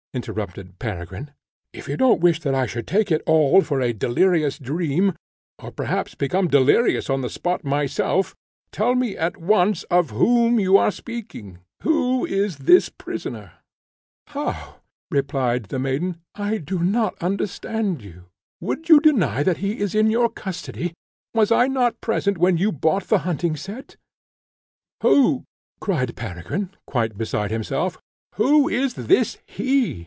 interrupted Peregrine, "if you don't wish that I should take it all for a delirious dream, or perhaps become delirious on the spot myself, tell me at once of whom you are speaking, who is this prisoner?" "How!" replied the maiden "I do not understand you; would you deny that he is in your custody? Was I not present when you bought the hunting set?" "Who," cried Peregrine, quite beside himself, "who is this HE?